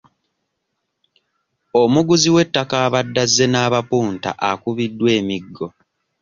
Omuguzi w'ettaka abadde azze n'abapunta akubiddwa emiggo.